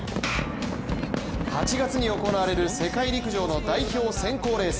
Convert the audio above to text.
８月に行われる世界陸上の代表選考レース。